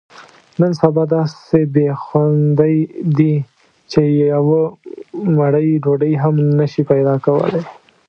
نن سبا داسې بې خوندۍ دي، چې یوه مړۍ ډوډۍ هم نشې پیداکولی.